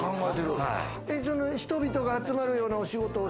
人々が集まるようなお仕事を？